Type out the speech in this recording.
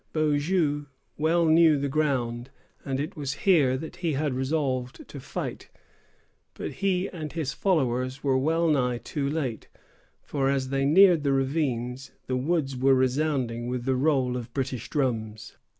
Beaujeu well knew the ground; and it was here that he had resolved to fight; but he and his followers were well nigh too late; for as they neared the ravines, the woods were resounding with the roll of the British drums.